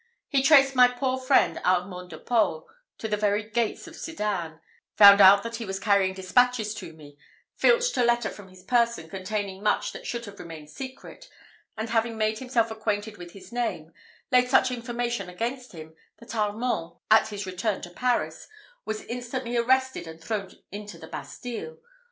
He traced my poor friend Armand de Paul to the very gates of Sedan, found out that he was carrying despatches to me, filched a letter from his person containing much that should have remained secret, and having made himself acquainted with his name, laid such information against him, that Armand, at his return to Paris, was instantly arrested and thrown into the Bastile.